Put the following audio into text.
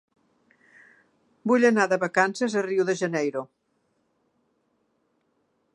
Vull anar de vacances a Rio de Janeiro.